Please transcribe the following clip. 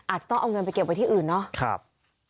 อาจจะต้องเอาเงินไปเก็บไว้ที่อื่นเนาะ